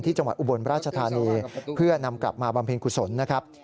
จังหวัดอุบลราชธานีเพื่อนำกลับมาบำเพ็ญกุศลนะครับ